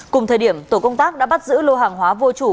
cùng thời điểm tổ công tác đã bắt giữ lô hàng hóa vô chủ